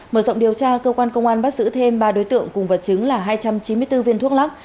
mở rộng điều tra cơ quan công an bắt giữ thêm ba đối tượng cùng vật chứng là hai trăm chín mươi bốn viên thuốc lắc